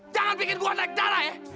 jangan pikir gua naik darah ya